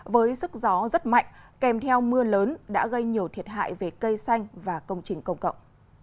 với sức gió rất mạnh kèm theo mưa lớn đã gây nhiều thiệt hại về cây xanh và công trình công cộng